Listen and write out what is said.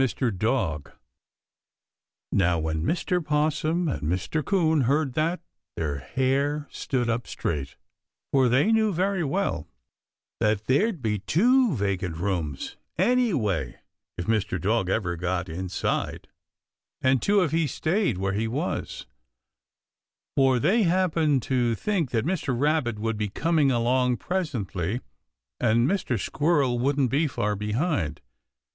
DOG [Illustration: AND UP HE CAME.] Now, when Mr. 'Possum and Mr. 'Coon heard that their hair stood up straight, for they knew very well that there'd be two vacant rooms any way if Mr. Dog ever got inside, and two if he stayed where he was, for they happened to think that Mr. Rabbit would be coming along presently, and Mr. Squirrel wouldn't be far behind.